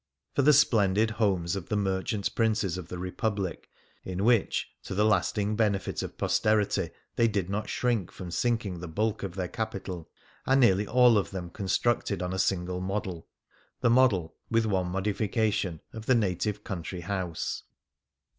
For the splendid homes of the merchant princes of the Republic in which, to the lasting benefit of posterity, they did not shrink from sinking the bulk of their capital, are nearly all of them constructed on a single model — the model (with one modifica tion) of the native country house.